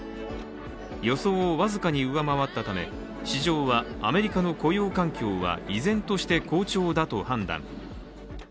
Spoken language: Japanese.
予想を僅かに上回ったため、市場はアメリカの雇用環境は依然として好調だと判断。